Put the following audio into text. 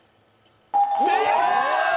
正解！